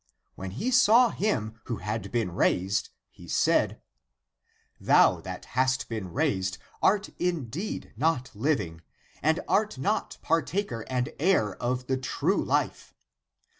When he saw him who had been raised, he said, " Thou that hast been raised art in 154 THE APOCRYPHAL ACTS deed not living, and art not partaker and heir of the true life.